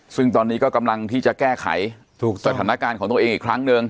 ซึ่งตอนนี้ก็กำลังที่จะแก้ไขสถานการณ์ของตัวเองอีกครั้งหนึ่ง